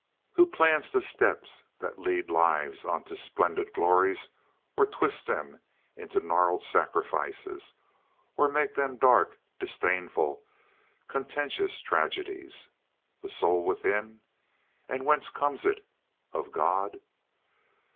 Who plans the steps that lead lives on to splendid glories, or twist them into gnarled sacrifices, or make of them dark, disdainful, contentious tragedies? The soul within? And whence comes it? Of God?